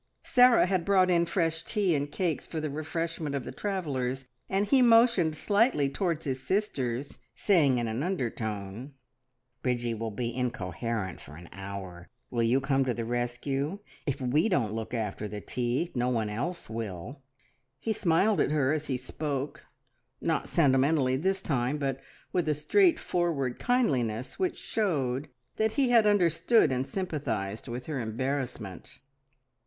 Sarah had brought in fresh tea and cakes for the refreshment of the travellers, and he motioned slightly towards his sisters, saying in an undertone, "Bridgie will be incoherent for an hour. Will you come to the rescue? If we don't look after the tea, no one else will." He smiled at her as he spoke, not sentimentally this time, but with a straightforward kindliness which showed that he had understood and sympathised with her embarrassment.